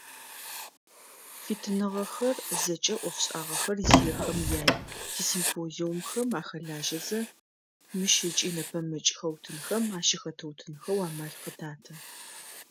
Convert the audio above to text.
Фитыныгъэхэр зэкӏэ ӏофшӏагъэхэр зиехэм яй, тисимпозиумхэм ахэлажьэзэ, мыщ ыкӏи нэпэмыкӏ хэутынхэм ащыхэтыутынхэу амал къытаты.